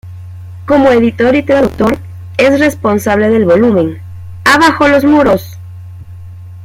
Como editor y traductor es responsable del volumen "¡Abajo los muros!